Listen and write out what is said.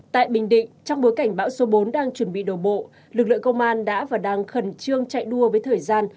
tại bình định trong bối cảnh bão số bốn đang chuẩn bị đổ bộ lực lượng công an đã và đang khẩn trương chạy đua với thời gian